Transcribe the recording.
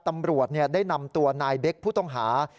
ตำรวจได้นำตัวนายเบคผู้ต้องหา